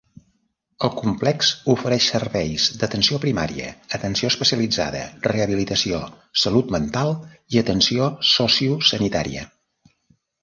El complex ofereix serveis d'atenció primària, atenció especialitzada, rehabilitació, salut mental i atenció sociosanitària.